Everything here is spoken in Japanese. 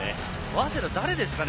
早稲田、誰ですかね。